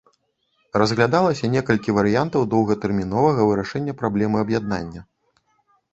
Разглядалася некалькі варыянтаў доўгатэрміновага вырашэння праблемы аб'яднання.